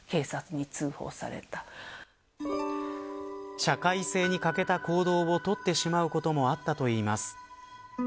社会性に欠けた行動を取ってしまうこともあったといいます。